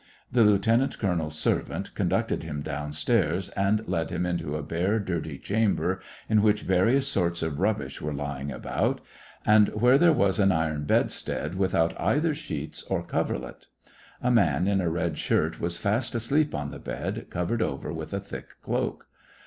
The lieuten ant colonel's servant conducted him downstairs, and led him into a bare, dirty chamber, in which various sorts of rubbish were lying about, and 1 86 SEVASTOPOL IN AUGUST, where there was an iron bedstead without either sheets or coverlet. A man in a red shirt was fast asleep on the bed, covered over with a thick cloak.